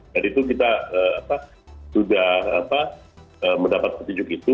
dan itu kita sudah mendapat petunjuk itu